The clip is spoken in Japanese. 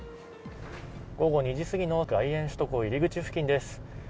午後２時過ぎの外苑首都高入り口付近です。